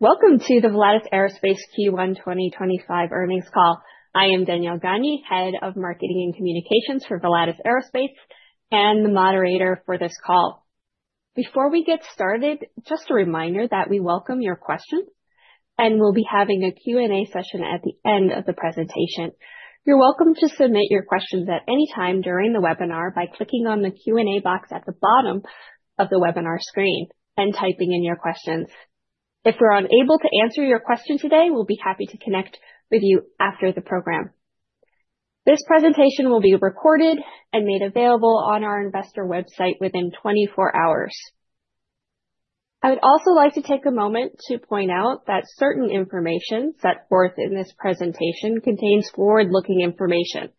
Welcome to the Volatus Aerospace Q1 2025 earnings call. I am Danielle Gagne, Head of Marketing and Communications for Volatus Aerospace, and the moderator for this call. Before we get started, just a reminder that we welcome your questions, and we'll be having a Q&A session at the end of the presentation. You're welcome to submit your questions at any time during the webinar by clicking on the Q&A box at the bottom of the webinar screen and typing in your questions. If we're unable to answer your question today, we'll be happy to connect with you after the program. This presentation will be recorded and made available on our Investor website within 24 hours. I would also like to take a moment to point out that certain information set forth in this presentation contains forward-looking information,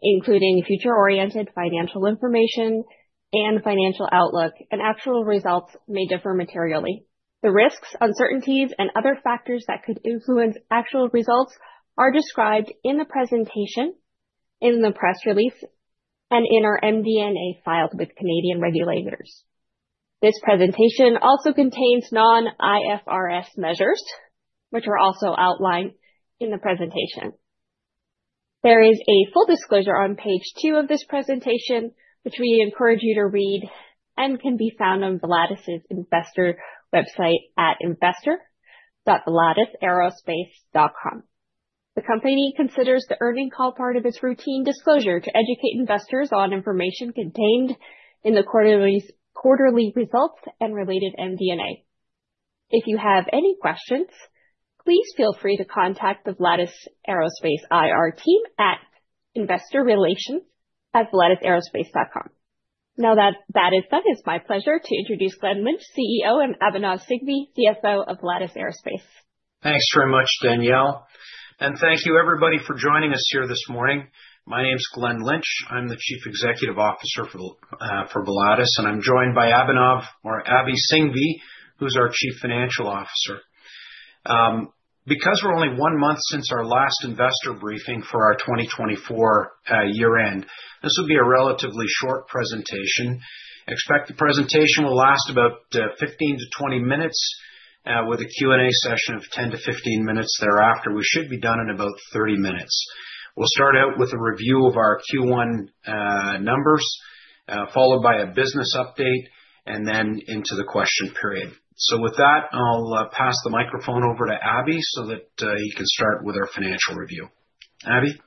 including future-oriented financial information and financial outlook, and actual results may differ materially. The risks, uncertainties, and other factors that could influence actual results are described in the presentation, in the press release, and in our MD&A filed with Canadian regulators. This presentation also contains non-IFRS measures, which are also outlined in the presentation. There is a full disclosure on page two of this presentation, which we encourage you to read, and can be found on Volatus's Investor website at investor.volatusaerospace.com. The company considers the earnings call part of its routine disclosure to educate investors on information contained in the quarterly results and related MD&A. If you have any questions, please feel free to contact the Volatus Aerospace IR team at investorrelations@volatusaerospace.com. Now that that is done, it's my pleasure to introduce Glen Lynch, CEO, and Abhinav Singhvi, CFO of Volatus Aerospace. Thanks very much, Danielle. And thank you, everybody, for joining us here this morning. My name's Glen Lynch. I'm the Chief Executive Officer for Volatus, and I'm joined by Abhinav, or Avi Singhvi, who's our Chief Financial Officer. Because we're only one month since our last investor briefing for our 2024 year-end, this will be a relatively short presentation. Expect the presentation will last about 15-20 minutes, with a Q&A session of 10 to 15 minutes thereafter. We should be done in about 30 minutes. We'll start out with a review of our Q1 numbers, followed by a business update, and then into the question period. So with that, I'll pass the microphone over to Avi so that he can start with our financial review. Avi?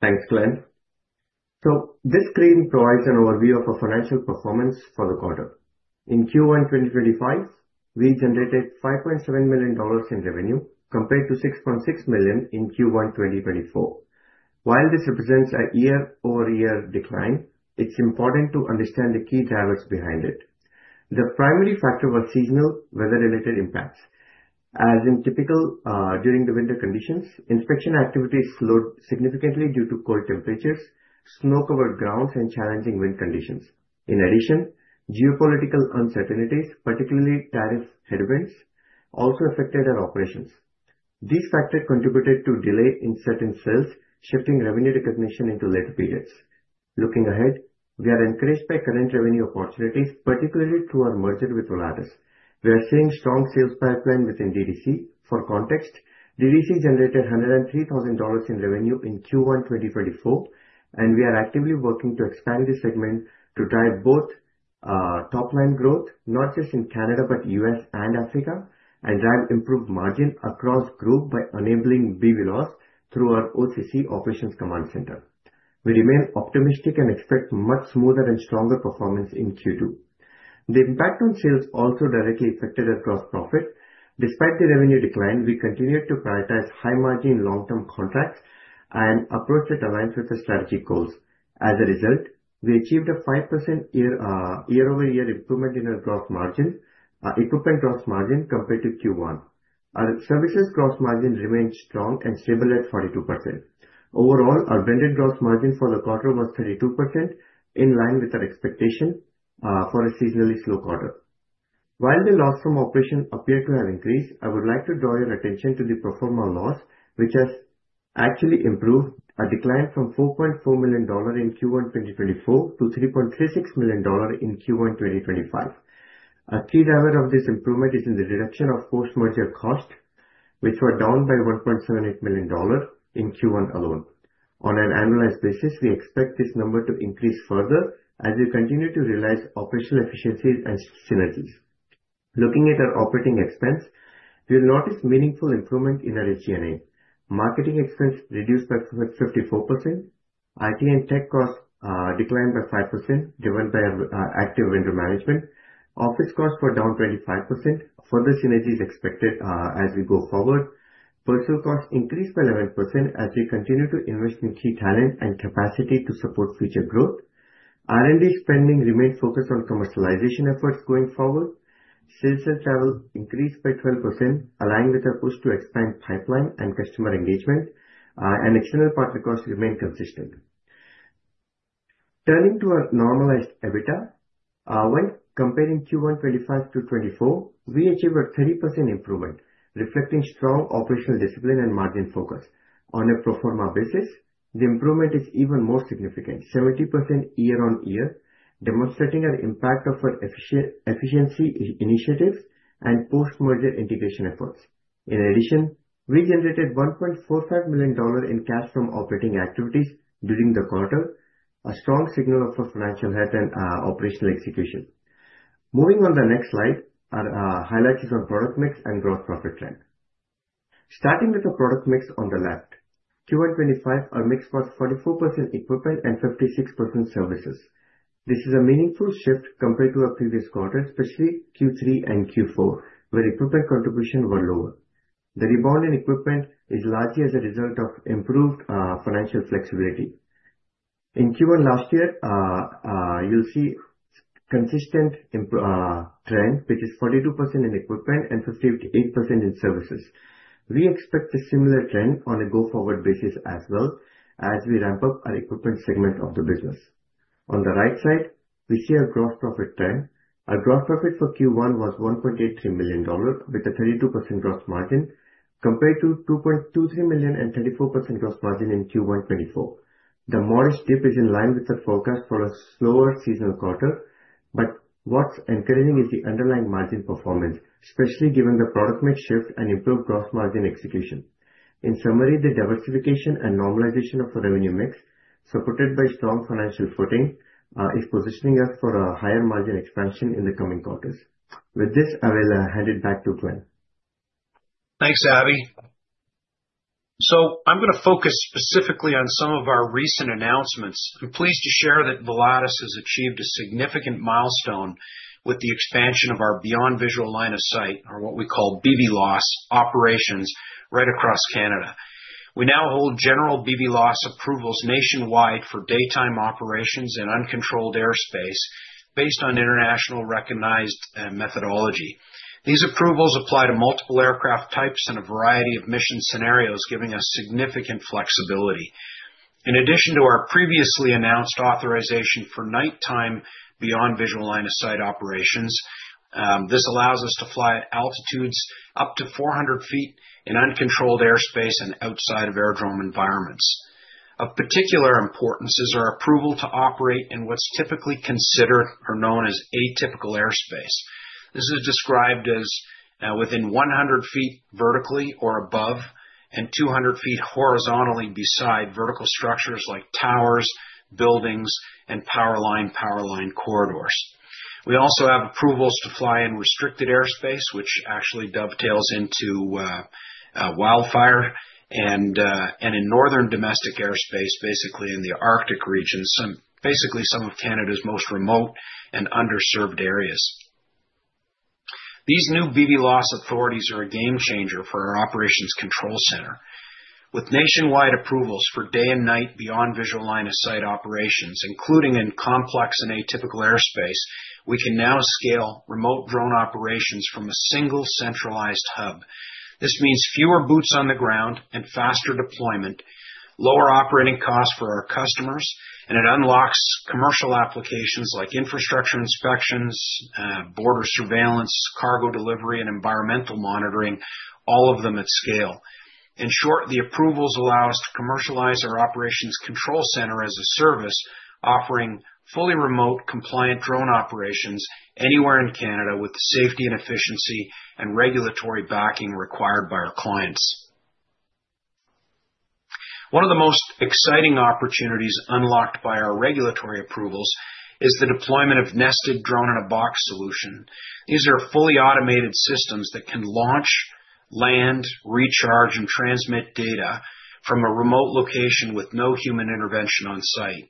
Thanks, Glen. So this screen provides an overview of our financial performance for the quarter. In Q1 2025, we generated 5.7 million dollars in revenue, compared to 6.6 million in Q1 2024. While this represents a year-over-year decline, it's important to understand the key drivers behind it. The primary factor was seasonal weather-related impacts. As is typical during winter conditions, inspection activity slowed significantly due to cold temperatures, snow-covered grounds, and challenging wind conditions. In addition, geopolitical uncertainties, particularly tariff headwinds, also affected our operations. These factors contributed to delays in certain sales, shifting revenue recognition into later periods. Looking ahead, we are encouraged by current revenue opportunities, particularly through our merger with Volatus. We are seeing strong sales pipeline within DDC. For context, DDC generated 103,000 dollars in revenue in Q1 2024, and we are actively working to expand this segment to drive both top-line growth, not just in Canada, but U.S. and Africa, and drive improved margin across group by enabling BVLOS through our OCC Operations Control Center. We remain optimistic and expect much smoother and stronger performance in Q2. The impact on sales also directly affected our gross profit. Despite the revenue decline, we continued to prioritize high-margin, long-term contracts and approach that aligns with our strategic goals. As a result, we achieved a 5% year-over-year improvement in our gross margin, equipment gross margin, compared to Q1. Our services gross margin remained strong and stable at 42%. Overall, our blended gross margin for the quarter was 32%, in line with our expectation for a seasonally slow quarter. While the loss from operations appeared to have increased, I would like to draw your attention to the pro forma loss, which has actually improved, a decline from 4.4 million dollar in Q1 2024 to 3.36 million dollar in Q1 2025. A key driver of this improvement is in the reduction of post-merger costs, which were down by 1.78 million dollar in Q1 alone. On an annualized basis, we expect this number to increase further as we continue to realize operational efficiencies and synergies. Looking at our operating expense, you'll notice meaningful improvement in our G&A. Marketing expense reduced by 54%. IT and tech costs declined by 5%, driven by our active vendor management. Office costs were down 25%. Further synergies expected as we go forward. Personnel costs increased by 11% as we continue to invest in key talent and capacity to support future growth. R&D spending remained focused on commercialization efforts going forward. Sales and travel increased by 12%, aligned with our push to expand pipeline and customer engagement, and external partner costs remained consistent. Turning to our normalized EBITDA, while comparing Q1 2025 to 2024, we achieved a 30% improvement, reflecting strong operational discipline and margin focus. On a pro forma basis, the improvement is even more significant, 70% year-on-year, demonstrating our impact of our efficiency initiatives and post-merger integration efforts. In addition, we generated 1.45 million dollar in cash from operating activities during the quarter, a strong signal of our financial health and operational execution. Moving on to the next slide, our highlight is on product mix and gross profit trend. Starting with the product mix on the left, Q1 2025, our mix was 44% equipment and 56% services. This is a meaningful shift compared to our previous quarter, especially Q3 and Q4, where equipment contributions were lower. The rebound in equipment is largely as a result of improved financial flexibility. In Q1 last year, you'll see a consistent trend, which is 42% in equipment and 58% in services. We expect a similar trend on a go-forward basis as well as we ramp up our equipment segment of the business. On the right side, we see our gross profit trend. Our gross profit for Q1 was CAD 1.83 million, with a 32% gross margin, compared to 2.23 million and 34% gross margin in Q1 2024. The modest dip is in line with the forecast for a slower seasonal quarter, but what's encouraging is the underlying margin performance, especially given the product mix shift and improved gross margin execution. In summary, the diversification and normalization of the revenue mix, supported by strong financial footing, is positioning us for a higher margin expansion in the coming quarters. With this, I will hand it back to Glen. Thanks, Avi. So I'm going to focus specifically on some of our recent announcements. I'm pleased to share that Volatus has achieved a significant milestone with the expansion of our beyond visual line of sight, or what we call BVLOS operations, right across Canada. We now hold general BVLOS approvals nationwide for daytime operations and uncontrolled airspace based on internationally recognized methodology. These approvals apply to multiple aircraft types and a variety of mission scenarios, giving us significant flexibility. In addition to our previously announced authorization for nighttime beyond visual line of sight operations, this allows us to fly at altitudes up to 400 feet in uncontrolled airspace and outside of aerodrome environments. Of particular importance is our approval to operate in what's typically considered or known as atypical airspace. This is described as within 100 feet vertically or above and 200 feet horizontally beside vertical structures like towers, buildings, and power line, power line corridors. We also have approvals to fly in restricted airspace, which actually dovetails into wildfire and in Northern Domestic Airspace, basically in the Arctic region, basically some of Canada's most remote and underserved areas. These new BVLOS authorities are a game changer for our Operations Control Center. With nationwide approvals for day and night beyond visual line of sight operations, including in complex and atypical airspace, we can now scale remote drone operations from a single centralized hub. This means fewer boots on the ground and faster deployment, lower operating costs for our customers, and it unlocks commercial applications like infrastructure inspections, border surveillance, cargo delivery, and environmental monitoring, all of them at scale. In short, the approvals allow us to commercialize our operations control center as a service, offering fully remote compliant drone operations anywhere in Canada with the safety and efficiency and regulatory backing required by our clients. One of the most exciting opportunities unlocked by our regulatory approvals is the deployment of Nesting Drone-in-a-Box solution. These are fully automated systems that can launch, land, recharge, and transmit data from a remote location with no human intervention on site.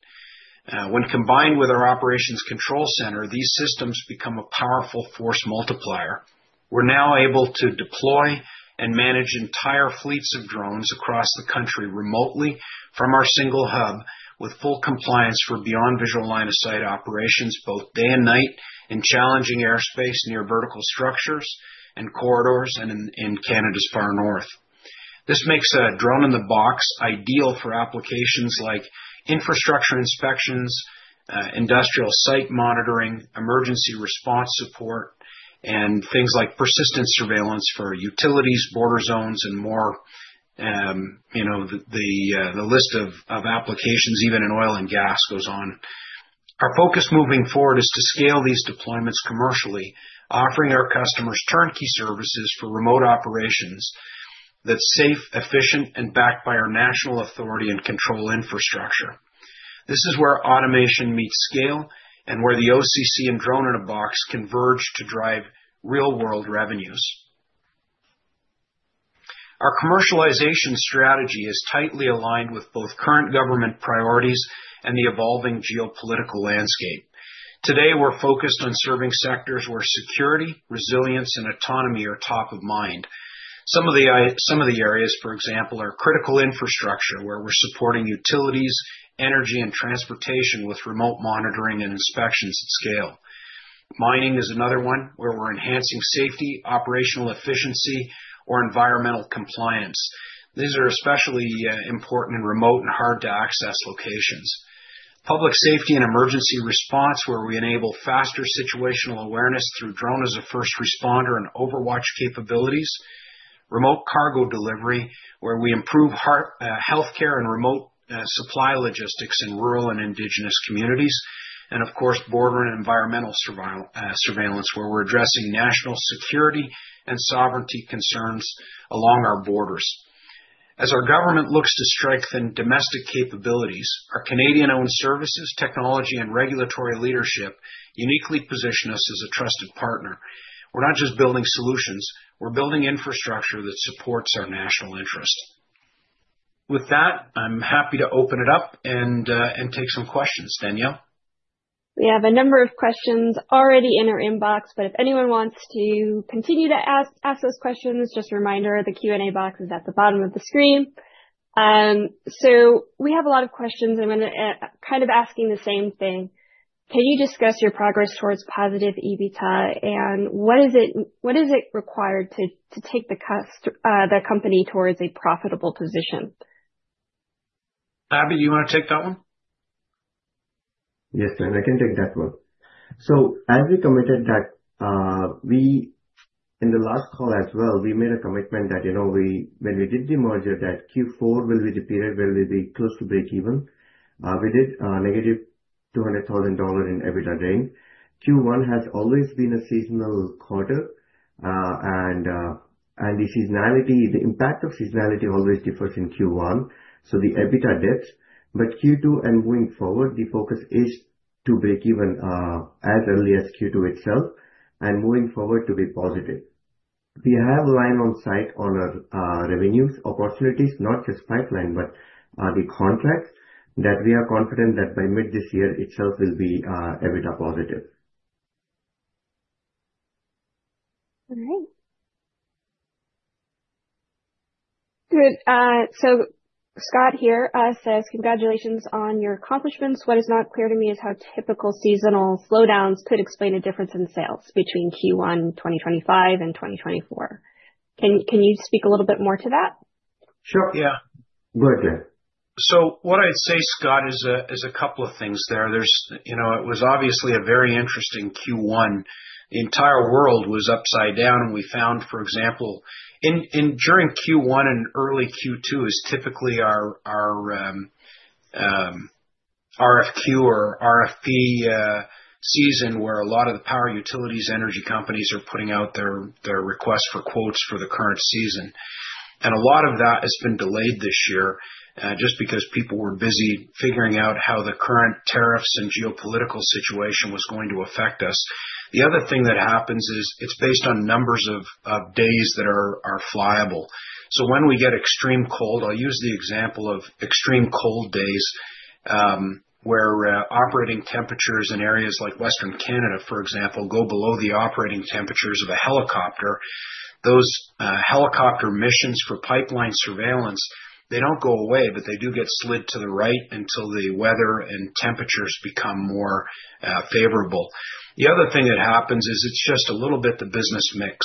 When combined with our operations control center, these systems become a powerful force multiplier. We're now able to deploy and manage entire fleets of drones across the country remotely from our single hub, with full compliance for beyond visual line of sight operations, both day and night, in challenging airspace near vertical structures and corridors and in Canada's far north. This makes a Drone-in-a-Box ideal for applications like infrastructure inspections, industrial site monitoring, emergency response support, and things like persistent surveillance for utilities, border zones, and more. The list of applications, even in oil and gas, goes on. Our focus moving forward is to scale these deployments commercially, offering our customers turnkey services for remote operations that's safe, efficient, and backed by our national authority and control infrastructure. This is where automation meets scale and where the OCC and Drone-in-a-Box converge to drive real-world revenues. Our commercialization strategy is tightly aligned with both current government priorities and the evolving geopolitical landscape. Today, we're focused on serving sectors where security, resilience, and autonomy are top of mind. Some of the areas, for example, are critical infrastructure, where we're supporting utilities, energy, and transportation with remote monitoring and inspections at scale. Mining is another one where we're enhancing safety, operational efficiency, or environmental compliance. These are especially important in remote and hard-to-access locations. Public safety and emergency response, where we enable faster situational awareness through drone as a first responder and overwatch capabilities. Remote cargo delivery, where we improve healthcare and remote supply logistics in rural and indigenous communities. And of course, border and environmental surveillance, where we're addressing national security and sovereignty concerns along our borders. As our government looks to strengthen domestic capabilities, our Canadian-owned services, technology, and regulatory leadership uniquely position us as a trusted partner. We're not just building solutions. We're building infrastructure that supports our national interest. With that, I'm happy to open it up and take some questions, Danielle. We have a number of questions already in our inbox, but if anyone wants to continue to ask those questions, just a reminder, the Q&A box is at the bottom of the screen. So we have a lot of questions, and I'm going to kind of ask you the same thing. Can you discuss your progress towards positive EBITDA, and what is it required to take the company towards a profitable position? Avi, you want to take that one? Yes, and I can take that one. So as we committed that, in the last call as well, we made a commitment that when we did the merger, that Q4 will be the period where we'll be close to break-even. We did a -200,000 dollars in EBITDA gain. Q1 has always been a seasonal quarter, and the seasonality, the impact of seasonality always differs in Q1, so the EBITDA dips. But Q2 and moving forward, the focus is to break-even as early as Q2 itself and moving forward to be positive. We have line of sight on our revenue opportunities, not just pipeline, but the contracts that we are confident that by mid this year itself will be EBITDA positive. All right. Good. So Scott here says, "Congratulations on your accomplishments. What is not clear to me is how typical seasonal slowdowns could explain a difference in sales between Q1 2025 and 2024." Can you speak a little bit more to that? Sure, yeah. Good, yeah. So what I'd say, Scott, is a couple of things there. It was obviously a very interesting Q1. The entire world was upside down. We found, for example, during Q1 and early Q2 is typically our RFQ or RFP season where a lot of the power utilities energy companies are putting out their request for quotes for the current season. And a lot of that has been delayed this year just because people were busy figuring out how the current tariffs and geopolitical situation was going to affect us. The other thing that happens is it's based on numbers of days that are flyable. So when we get extreme cold, I'll use the example of extreme cold days where operating temperatures in areas like Western Canada, for example, go below the operating temperatures of a helicopter. Those helicopter missions for pipeline surveillance, they don't go away, but they do get slid to the right until the weather and temperatures become more favorable. The other thing that happens is it's just a little bit the business mix.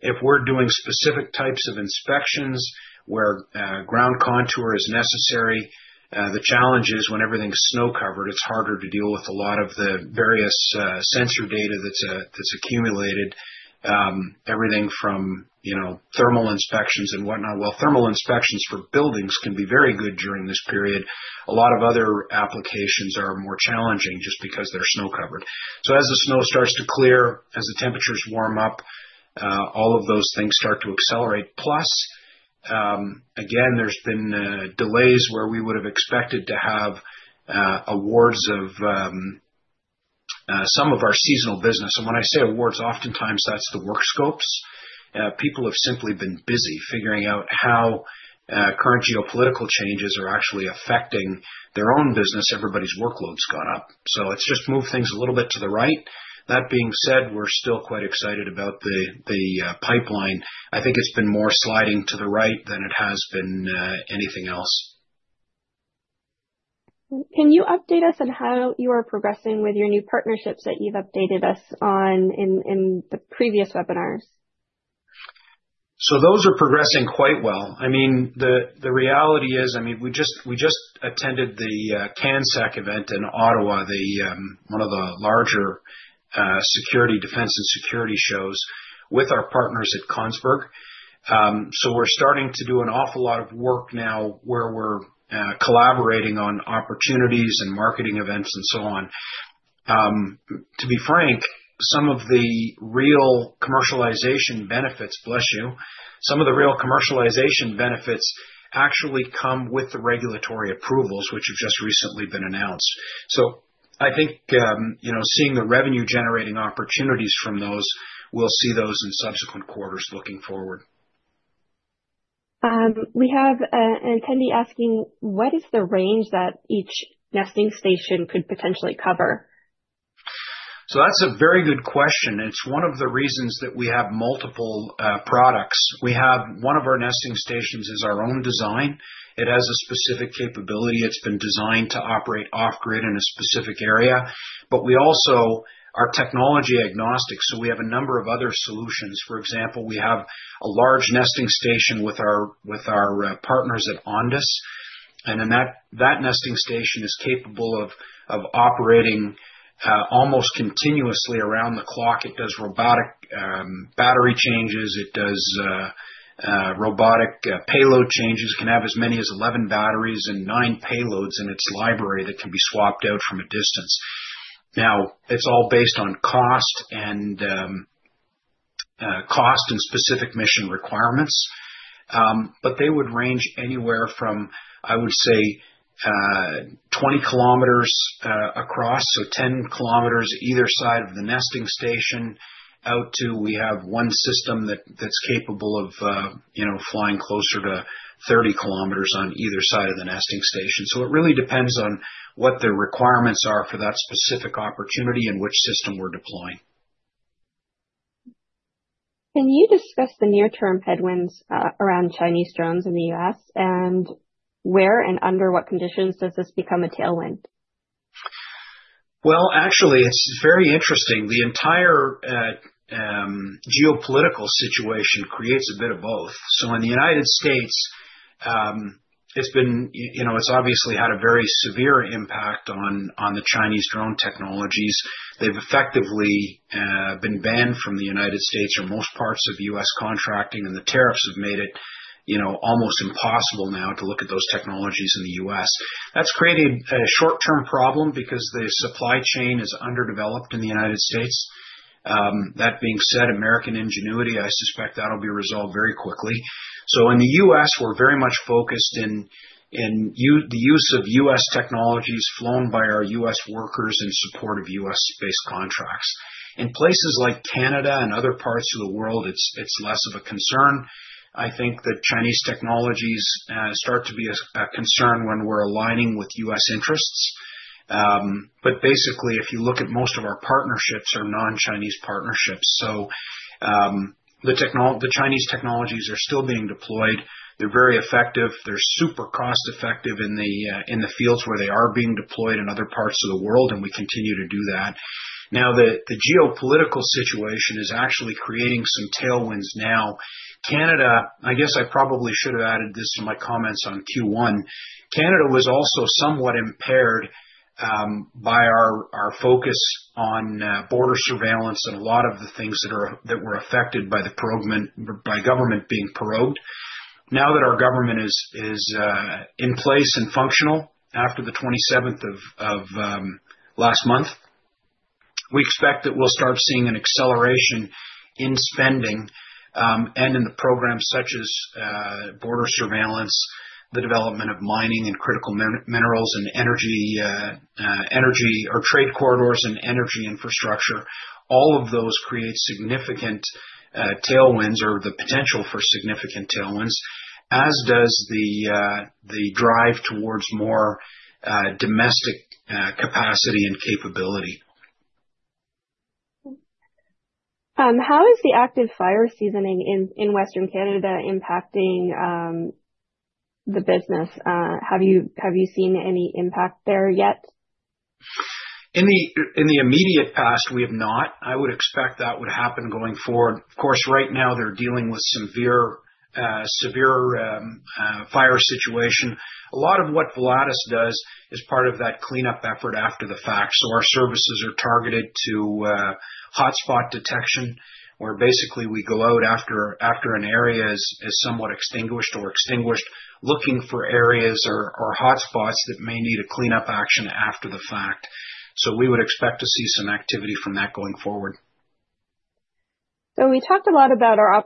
If we're doing specific types of inspections where ground contour is necessary, the challenge is when everything's snow-covered, it's harder to deal with a lot of the various sensor data that's accumulated, everything from thermal inspections and whatnot. Thermal inspections for buildings can be very good during this period. A lot of other applications are more challenging just because they're snow-covered, so as the snow starts to clear, as the temperatures warm up, all of those things start to accelerate. Plus, again, there's been delays where we would have expected to have awards of some of our seasonal business, and when I say awards, oftentimes that's the work scopes. People have simply been busy figuring out how current geopolitical changes are actually affecting their own business. Everybody's workloads got up. So it's just moved things a little bit to the right. That being said, we're still quite excited about the pipeline. I think it's been more sliding to the right than it has been anything else. Can you update us on how you are progressing with your new partnerships that you've updated us on in the previous webinars? So those are progressing quite well. I mean, the reality is, I mean, we just attended the CANSEC event in Ottawa, one of the larger security defense and security shows with our partners at Kongsberg. So we're starting to do an awful lot of work now where we're collaborating on opportunities and marketing events and so on. To be frank, some of the real commercialization benefits, bless you, some of the real commercialization benefits actually come with the regulatory approvals, which have just recently been announced. So I think seeing the revenue-generating opportunities from those, we'll see those in subsequent quarters looking forward. We have an attendee asking, "What is the range that each nesting station could potentially cover? So that's a very good question. It's one of the reasons that we have multiple products. One of our nesting stations is our own design. It has a specific capability. It's been designed to operate off-grid in a specific area. But we also are technology agnostic, so we have a number of other solutions. For example, we have a large nesting station with our partners at Ondas. And that nesting station is capable of operating almost continuously around the clock. It does robotic battery changes. It does robotic payload changes. It can have as many as 11 batteries and nine payloads in its library that can be swapped out from a distance. Now, it's all based on cost and specific mission requirements. But they would range anywhere from, I would say, 20 kilometers across, so 10 kilometers either side of the nesting station out to we have one system that's capable of flying closer to 30 kilometers on either side of the nesting station. So it really depends on what the requirements are for that specific opportunity and which system we're deploying. Can you discuss the near-term headwinds around Chinese drones in the U.S., and where and under what conditions does this become a tailwind? Actually, it's very interesting. The entire geopolitical situation creates a bit of both. So in the United States, it's obviously had a very severe impact on the Chinese drone technologies. They've effectively been banned from the United States or most parts of U.S. contracting, and the tariffs have made it almost impossible now to look at those technologies in the U.S. That's created a short-term problem because the supply chain is underdeveloped in the United States. That being said, American ingenuity, I suspect that'll be resolved very quickly. So in the U.S., we're very much focused in the use of U.S. technologies flown by our U.S. workers in support of U.S.-based contracts. In places like Canada and other parts of the world, it's less of a concern. I think that Chinese technologies start to be a concern when we're aligning with U.S. interests. But basically, if you look at most of our partnerships, they're non-Chinese partnerships. So the Chinese technologies are still being deployed. They're very effective. They're super cost-effective in the fields where they are being deployed in other parts of the world, and we continue to do that. Now, the geopolitical situation is actually creating some tailwinds now. Canada, I guess I probably should have added this to my comments on Q1. Canada was also somewhat impaired by our focus on border surveillance and a lot of the things that were affected by government being paralyzed. Now that our government is in place and functional after the 27th of last month, we expect that we'll start seeing an acceleration in spending and in the programs such as border surveillance, the development of mining and critical minerals, and energy or trade corridors and energy infrastructure. All of those create significant tailwinds or the potential for significant tailwinds, as does the drive towards more domestic capacity and capability. How is the active fire season in Western Canada impacting the business? Have you seen any impact there yet? In the immediate past, we have not. I would expect that would happen going forward. Of course, right now, they're dealing with a severe fire situation. A lot of what Volatus does is part of that cleanup effort after the fact. So our services are targeted to hotspot detection, where basically we go out after an area is somewhat extinguished or extinguished, looking for areas or hotspots that may need a cleanup action after the fact. So we would expect to see some activity from that going forward. So we talked a lot about our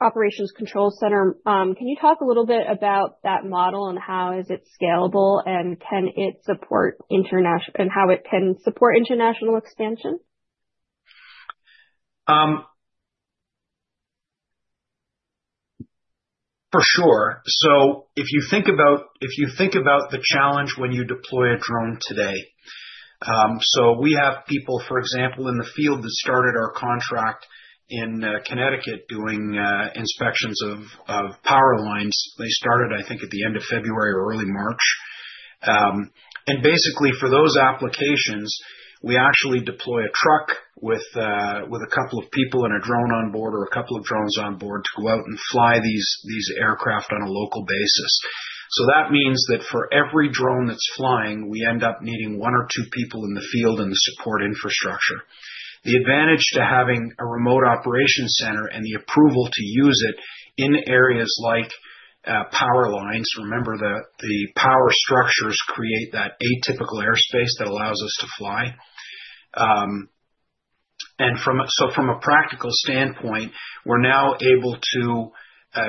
Operations Control Center. Can you talk a little bit about that model and how is it scalable and how it can support international expansion? For sure. So if you think about the challenge when you deploy a drone today, so we have people, for example, in the field that started our contract in Connecticut doing inspections of power lines. They started, I think, at the end of February or early March. And basically, for those applications, we actually deploy a truck with a couple of people and a drone on board or a couple of drones on board to go out and fly these aircraft on a local basis. So that means that for every drone that's flying, we end up needing one or two people in the field and the support infrastructure. The advantage to having a remote operations center and the approval to use it in areas like power lines, remember the power structures create that atypical airspace that allows us to fly. And so from a practical standpoint, we're now able to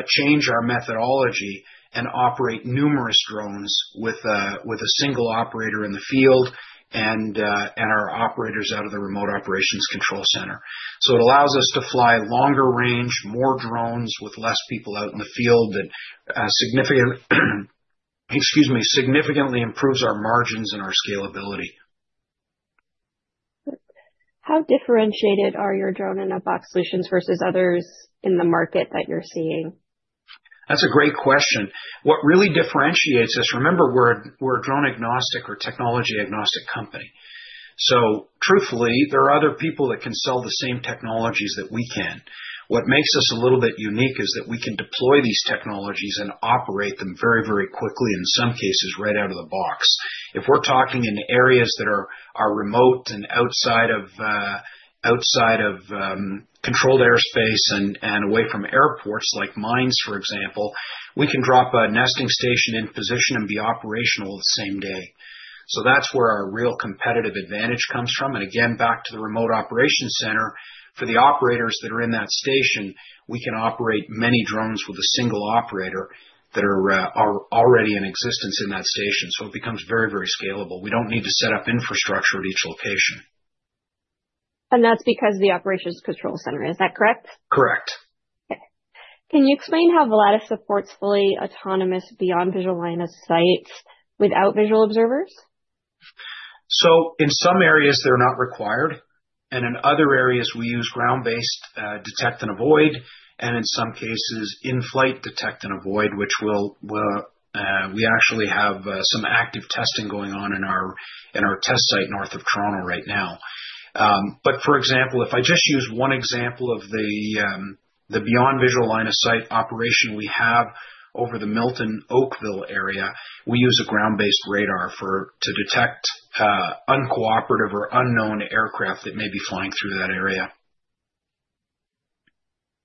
change our methodology and operate numerous drones with a single operator in the field and our operators out of the remote operations control center. So it allows us to fly longer range, more drones with less people out in the field that significantly improves our margins and our scalability. How differentiated are your drone and Drone-in-a-Box Solutions versus others in the market that you're seeing? That's a great question. What really differentiates us, remember, we're a drone-agnostic or technology-agnostic company. So truthfully, there are other people that can sell the same technologies that we can. What makes us a little bit unique is that we can deploy these technologies and operate them very, very quickly, in some cases, right out of the box. If we're talking in areas that are remote and outside of controlled airspace and away from airports like mines, for example, we can drop a nesting station in position and be operational the same day. So that's where our real competitive advantage comes from. And again, back to the remote operations center, for the operators that are in that station, we can operate many drones with a single operator that are already in existence in that station. So it becomes very, very scalable. We don't need to set up infrastructure at each location. That's because of the operations control center. Is that correct? Correct. Okay. Can you explain how Volatus supports fully autonomous beyond visual line of sight without visual observers? So in some areas, they're not required. And in other areas, we use ground-based detect and avoid. And in some cases, in-flight detect and avoid, which we actually have some active testing going on in our test site north of Toronto right now. But for example, if I just use one example of the beyond visual line of sight operation we have over the Milton Oakville area, we use a ground-based radar to detect uncooperative or unknown aircraft that may be flying through that area.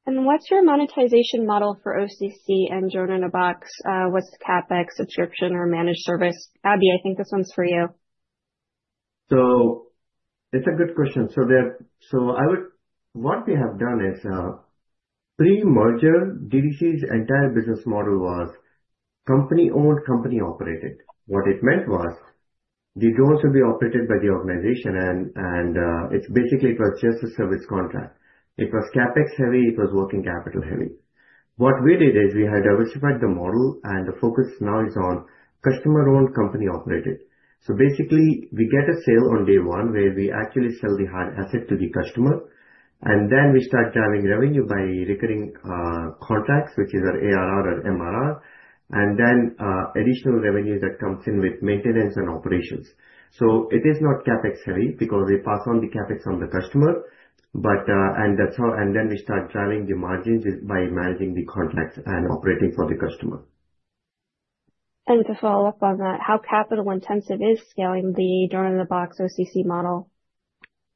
And what's your monetization model for OCC and Drone-in-a-Box? What's the CapEx, subscription or managed service? Avi, I think this one's for you. It's a good question. What we have done is pre-merger, DDC's entire business model was company-owned, company-operated. What it meant was the drones would be operated by the organization. And basically, it was just a service contract. It was CapEx-heavy. It was working capital-heavy. What we did is we had diversified the model, and the focus now is on customer-owned, company-operated. Basically, we get a sale on day one where we actually sell the hard asset to the customer. And then we start driving revenue by recurring contracts, which is our ARR or MRR, and then additional revenue that comes in with maintenance and operations. So it is not CapEx-heavy because we pass on the CapEx on the customer. And then we start driving the margins by managing the contracts and operating for the customer. To follow up on that, how capital-intensive is scaling the drone and the box OCC model?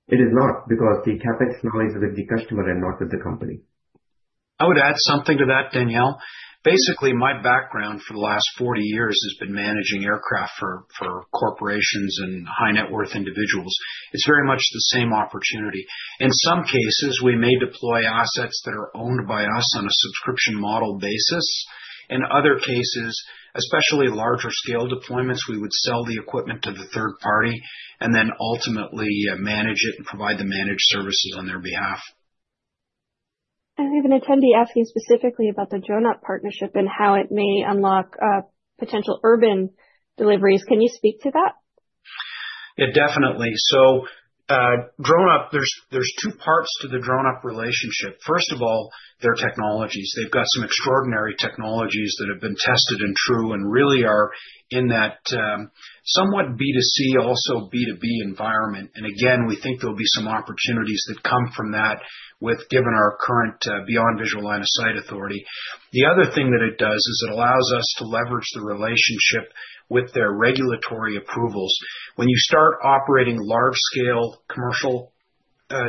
It is not because the CapEx now is with the customer and not with the company. I would add something to that, Danielle. Basically, my background for the last 40 years has been managing aircraft for corporations and high-net-worth individuals. It's very much the same opportunity. In some cases, we may deploy assets that are owned by us on a subscription model basis. In other cases, especially larger scale deployments, we would sell the equipment to the third party and then ultimately manage it and provide the managed services on their behalf. I have an attendee asking specifically about the DroneUp partnership and how it may unlock potential urban deliveries. Can you speak to that? Yeah, definitely. So DroneUp, there's two parts to the DroneUp relationship. First of all, their technologies. They've got some extraordinary technologies that have been tried and true and really are in that somewhat B2C, also B2B environment. And again, we think there'll be some opportunities that come from that given our current beyond visual line of sight authority. The other thing that it does is it allows us to leverage the relationship with their regulatory approvals. When you start operating large-scale commercial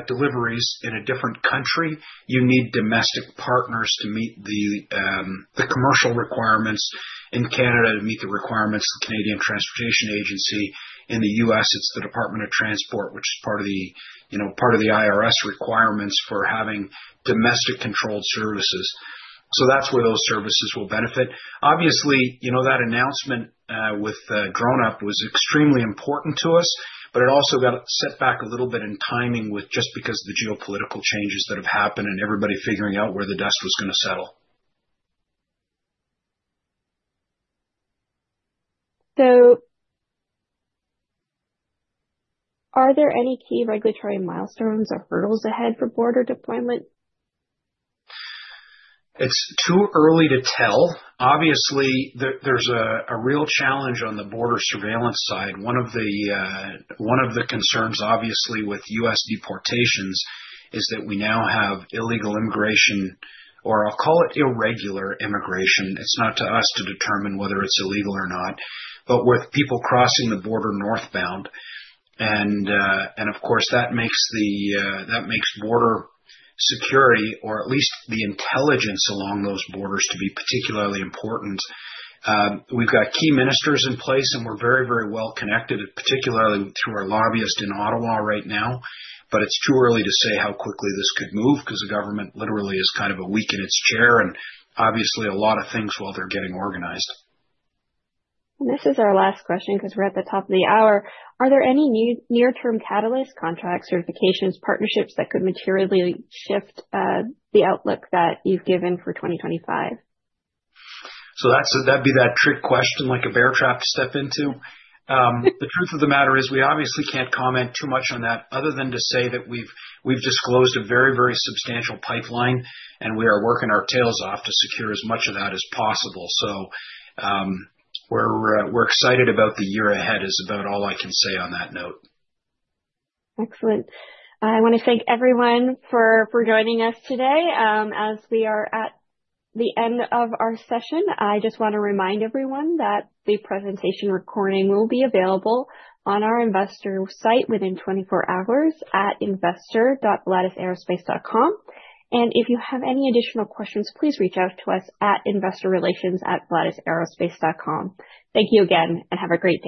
deliveries in a different country, you need domestic partners to meet the commercial requirements in Canada to meet the requirements of the Canadian Transportation Agency. In the U.S., it's the Department of Transportation, which is part of the DOT requirements for having domestic-controlled services. So that's where those services will benefit. Obviously, that announcement with DroneUp was extremely important to us, but it also got set back a little bit in timing just because of the geopolitical changes that have happened and everybody figuring out where the dust was going to settle. So are there any key regulatory milestones or hurdles ahead for border deployment? It's too early to tell. Obviously, there's a real challenge on the border surveillance side. One of the concerns, obviously, with U.S. deportations is that we now have illegal immigration, or I'll call it irregular immigration. It's not to us to determine whether it's illegal or not, but with people crossing the border northbound, and of course, that makes border security, or at least the intelligence along those borders, to be particularly important. We've got key ministers in place, and we're very, very well connected, particularly through our lobbyist in Ottawa right now, but it's too early to say how quickly this could move because the government literally is kind of a week in its chair, and obviously, a lot of things while they're getting organized. This is our last question because we're at the top of the hour. Are there any near-term catalysts, contracts, certifications, partnerships that could materially shift the outlook that you've given for 2025? So that'd be that trick question, like a bear trap to step into. The truth of the matter is we obviously can't comment too much on that other than to say that we've disclosed a very, very substantial pipeline, and we are working our tails off to secure as much of that as possible. So we're excited about the year ahead is about all I can say on that note. Excellent. I want to thank everyone for joining us today. As we are at the end of our session, I just want to remind everyone that the presentation recording will be available on our investor site within 24 hours at investor.volatusaerospace.com, and if you have any additional questions, please reach out to us at investorrelations@volatusaerospace.com. Thank you again, and have a great day.